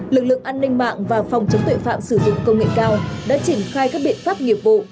lực lượng an ninh mạng và phòng chống tuệ phạm sử dụng công nghệ cao đã triển khai các biện pháp nghiệp vụ